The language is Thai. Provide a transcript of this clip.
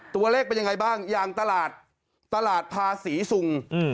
ตัวเลขเป็นยังไงบ้างยางตลาดตลาดพาศรีสุงอืม